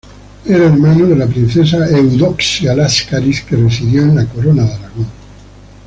Era hermano de la princesa Eudoxia Láscaris, que residió en la Corona de Aragón.